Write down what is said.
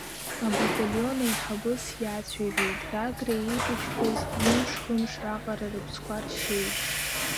Абаталион аиҳабы сиацәажәеит, Гагра иеибашьқәуаз, ҩымш-хымш раҟара рыԥсқәа ршьеит.